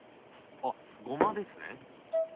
あっごまですね。